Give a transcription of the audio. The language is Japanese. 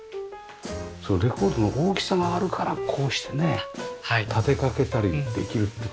そうレコードの大きさがあるからこうしてね立てかけたりできるって事ですよね。